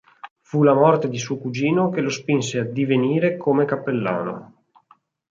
Fu la morte di suo cugino che lo spinse a divenire come cappellano.